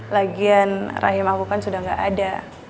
lagian rahim aku kan sudah gak ada